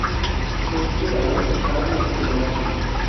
Éste aún ha de estrenarse.